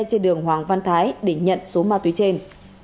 trên đường hoàng văn thái để nhận số ma túy trên